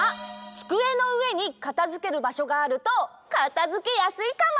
つくえのうえにかたづけるばしょがあるとかたづけやすいかも！